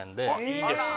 いいですね！